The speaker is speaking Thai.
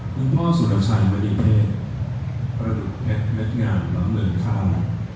คุณพ่อสุรชัยมณีเทศประดูกแพทย์เม็ดงามล้ำเหลือค่า